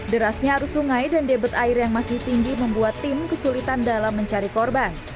derasnya arus sungai dan debit air yang masih tinggi membuat tim kesulitan dalam mencari korban